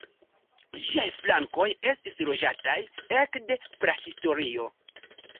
Ĝiaj flankoj estis loĝataj ekde prahistorio.